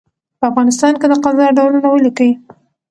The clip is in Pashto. په افغانستان کي د قضاء ډولونه ولیکئ؟